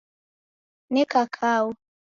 Neka kau